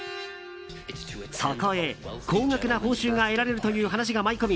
そこへ高額な報酬が得られるという話が舞い込み